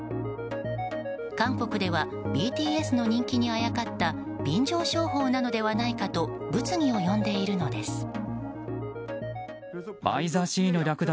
韓国ではＢＴＳの人気にあやかった便乗商法なのではないかと物議を呼んでいるのです。